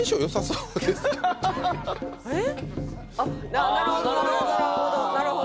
なるほどなるほど。